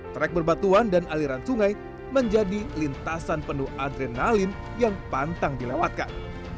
trek berbatuan dan aliran sungai menjadi lintasan penuh adrenalin yang pantang dilewatkan